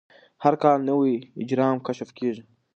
هر کال نوي اجرام کشف کېږي.